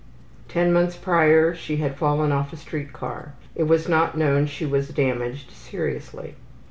Ten months prior she had fallen off a street car; it was not known she was damaged seriously.